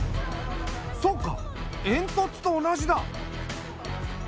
そうか煙突と同じだ。